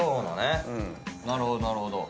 なるほどなるほど。